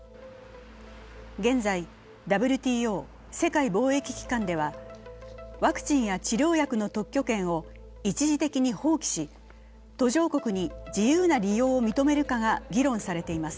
現在、ＷＴＯ＝世界貿易機関では、ワクチンや治療薬の特許権を一時的に放棄し、途上国に自由な利用を認めるかが議論されています。